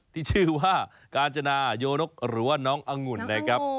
ที่ชื่อว่ากาญจนาโยนกหรือว่าน้ององุ่นนะครับ